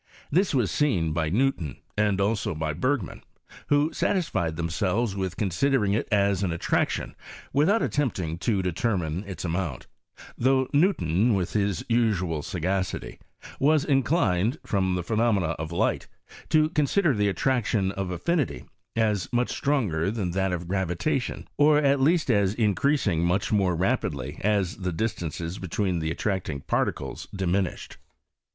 This was seen by Newton, and also by Bergman, who satisfied themselves with considering it as an attrac tion, without attempting to determine its amount; though Newton, with his usual sagacity, was in clined, from the phenomena of light, to conuderthe attraction of affinity as much stronger than that of gravitation, or at least as increasiog much more rapidly, as the distances between the attracting par ticles diminished.